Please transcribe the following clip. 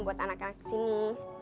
buat anak anak kesini